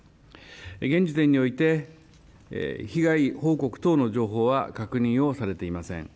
現時点において、被害報告等の情報は確認をされていません。